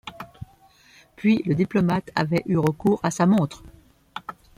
Puis le diplomate avait eu recours à sa montre.